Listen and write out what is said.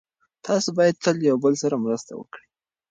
تاسو باید تل یو بل سره مرسته وکړئ.